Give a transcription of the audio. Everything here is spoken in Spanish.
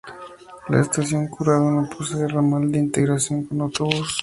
La Estación Curado no posee ramal de integración con autobús.